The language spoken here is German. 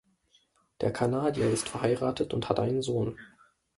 Der Kanadier ist verheiratet und hat einen Sohn.